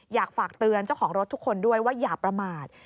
อยากฝากเตือนเจ้าของรถทุกคนด้วยว่าอย่าประมาท